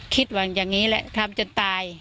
คิดว่างอย่างงี้แหละข้ำจนตาย